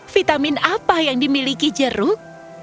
vitamin apa yang dimiliki jeruk